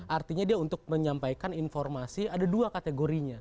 artinya dia untuk menyampaikan informasi ada dua kategorinya